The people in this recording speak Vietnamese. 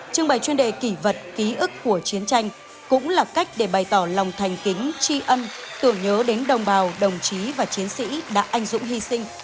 trưng bày chuyên đề kỷ vật ký ức của chiến tranh cũng là cách để bày tỏ lòng thành kính tri ân tưởng nhớ đến đồng bào đồng chí và chiến sĩ đã anh dũng hy sinh